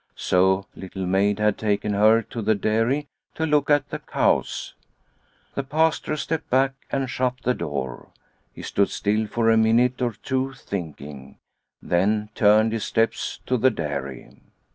So Little Maid had taken her to the dairy to look at the cows. The Pastor stepped back and shut the door. He stood still for a minute or two thinking, then turned his steps to the dairy.